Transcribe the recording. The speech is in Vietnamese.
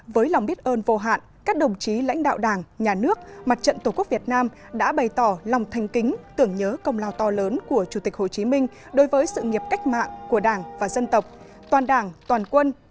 với lòng biết ơn vô hạn các đồng chí lãnh đạo đảng nhà nước mặt trận tổ quốc việt nam đã bày tỏ lòng thanh kính tưởng nhớ công lao to lớn của chủ tịch hồ chí minh đối với sự nghiệp cách mạng của đảng và dân tộc